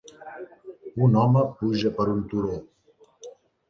Un home puja per un turó.